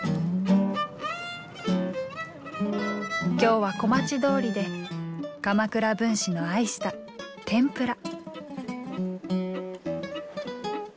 今日は小町通りで鎌倉文士の愛した天ぷら。